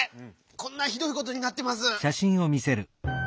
こんなひどいことになってます。